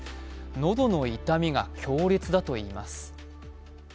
喉の痛みが強烈だといいます。